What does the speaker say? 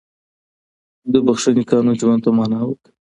د بښې قانون ژوند ته معنا ورکوي.